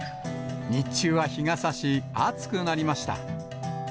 日中は日がさし、暑くなりました。